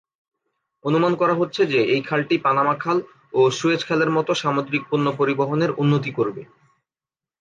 অনুমান করা হচ্ছে যে এই খালটি পানামা খাল ও সুয়েজ খালের মতো সামুদ্রিক পণ্য পরিবহনের উন্নতি করবে।